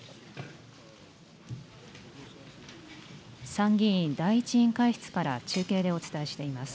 参議院第１委員会室から中継でお伝えしています。